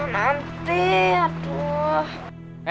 nanti ya tuhan